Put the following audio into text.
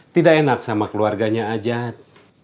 tidak enak sama keluarganya ajat